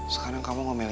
sekarang kamu ngomelin dia